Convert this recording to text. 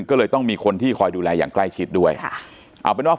ก็เลยต้องมีคนที่คอยดูแลอย่างใกล้ชิดด้วยค่ะเอาเป็นว่า